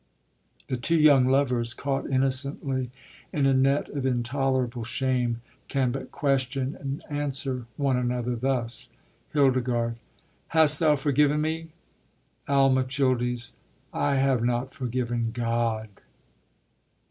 The two young lovers, caught innocently in a net of intolerable shame, can but question and answer one another thus: HILDEGARD. Hast thou forgiven me? ALMACHILDES. I have not forgiven God.